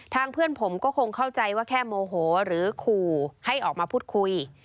เพื่อนผมก็คงเข้าใจว่าแค่โมโหหรือขู่ให้ออกมาพูดคุย